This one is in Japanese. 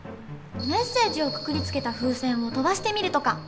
メッセージをくくりつけた風船を飛ばしてみるとか。